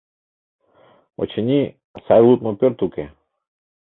Очыни, сай лудмо пӧрт уке.